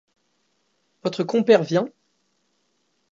Votre compère vient ?